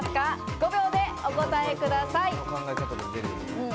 ５秒でお答えください。